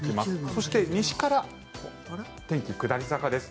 そして西から天気は下り坂です。